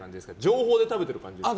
情報で食べてる感じですか？